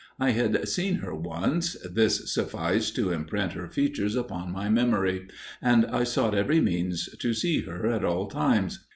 I had seen her once: this sufficed to imprint her features upon my memory, and I sought every means to see her at all times.